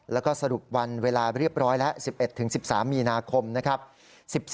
แล้วก็สรุปวันเวลาเรียบร้อยแล้ว๑๑๑๑๓มีนาคมนะครับ